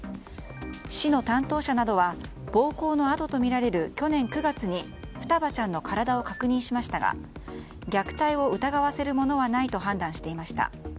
市の担当者などは暴行のあととみられる去年９月に双葉ちゃんの体を確認しましたが虐待を疑わせるものはないと判断していました。